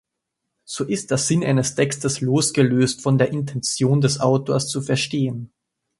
So ist der Sinn eines Textes losgelöst von der Intention des Autors zu verstehen.